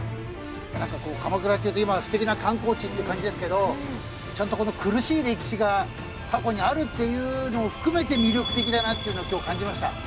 鎌倉っていうと今は素敵な観光地って感じですけどちゃんと苦しい歴史が過去にあるっていうのを含めて魅力的だなっていうのを今日感じました。